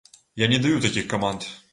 Я не даю такіх каманд!